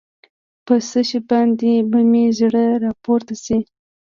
په څه شي باندې به مې زړه راپورته شي.